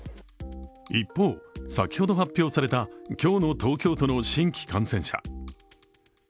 一方、先ほど発表された今日の東京都の新規感染者。